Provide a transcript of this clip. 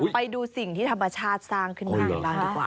ไปดูสิ่งที่ธรรมชาติสร้างขึ้นมากันบ้างดีกว่า